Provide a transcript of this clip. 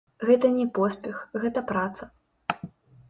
Гэта не поспех, гэта праца.